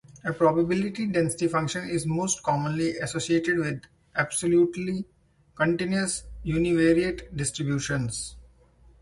A probability density function is most commonly associated with absolutely continuous univariate distributions.